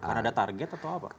karena ada target atau apa